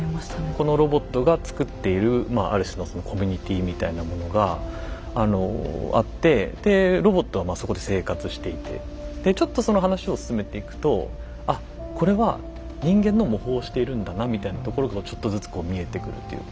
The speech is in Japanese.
このロボットが作っているまあある種のコミュニティーみたいなものがあってでロボットはまあそこで生活していてでちょっとその話を進めていくとあっこれは人間の模倣をしているんだなみたいなところがちょっとずつ見えてくるっていうか。